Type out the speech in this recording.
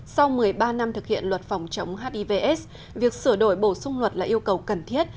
sau một mươi ba năm thực hiện luật phòng chống hivs việc sửa đổi bổ sung luật là yêu cầu cần thiết